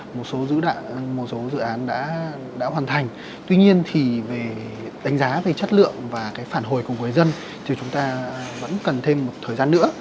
một số dự án đã hoàn thành tuy nhiên thì về đánh giá về chất lượng và phản hồi cùng với dân thì chúng ta vẫn cần thêm một thời gian nữa